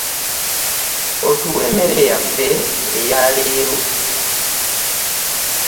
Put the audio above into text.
Otuwe emmere yaffe eya leero.